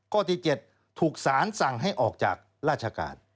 ข้อที่๗ถูกสารสั่งให้ออกจากราชการ